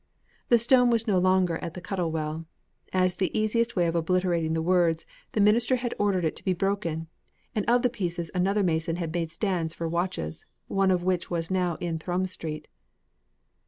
The stone was no longer at the Cuttle Well. As the easiest way of obliterating the words, the minister had ordered it to be broken, and of the pieces another mason had made stands for watches, one of which was now in Thrums Street.